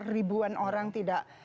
ribuan orang tidak